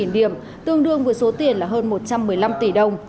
hai ba trăm linh điểm tương đương với số tiền là hơn một trăm một mươi năm tỷ đồng